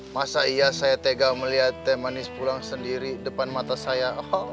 masa iya saya tega melihat teh manis pulang sendiri depan mata saya